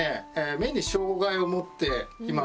目に障害を持っています。